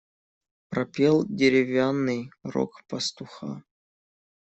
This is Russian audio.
Пропел деревянный рог пастуха.